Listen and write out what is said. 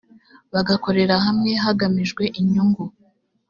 bagakorera hamwe hagamijwe inyungu